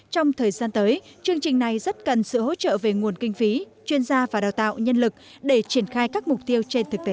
trong thời gian tới chương trình này rất cần sự hỗ trợ về nguồn kinh phí chuyên gia và đào tạo nhân lực để triển khai các mục tiêu trên thực tế